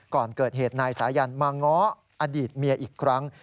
ก่อนเกิดเหตุนายสายันมาง้ออดีตเมียอีกครั้ง